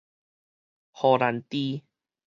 荷蘭豬